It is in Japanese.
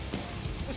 よし！